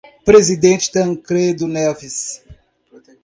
Presidente Tancredo Neves